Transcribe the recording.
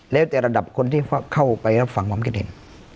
แล้วแต่ระดับคนที่เข้าไปรับฟังความคิดเห็น